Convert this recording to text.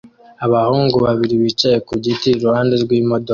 Abahungu babiri bicaye ku giti iruhande rw'imodoka